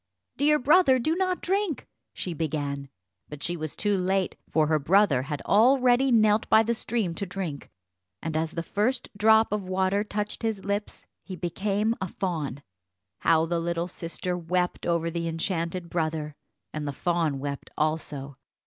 "Dear brother, do not drink," she began; but she was too late, for her brother had already knelt by the stream to drink, and as the first drop of water touched his lips he became a fawn. How the little sister wept over the enchanted brother, and the fawn wept also.